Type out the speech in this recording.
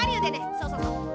そうそうそう。